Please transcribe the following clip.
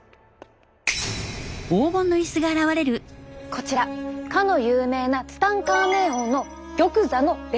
こちらかの有名なツタンカーメン王の玉座のレプリカ。